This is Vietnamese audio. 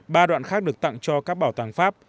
ba đoạn khác được tặng cho các bảo tàng pháp